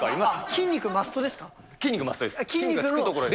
筋肉マストです。